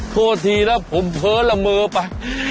โทษทีนะผมเพ้อละเมอไป